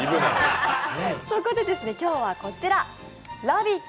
今日は、こちら「ラヴィット！」